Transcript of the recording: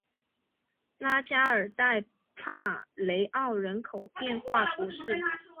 拉加尔代帕雷奥人口变化图示